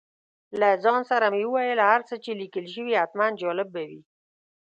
له ځان سره مې وویل هر څه چې لیکل شوي حتماً جالب به وي.